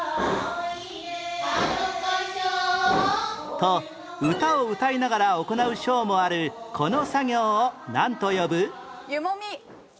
と歌を歌いながら行うショーもあるこの作業をなんと呼ぶ？湯もみ。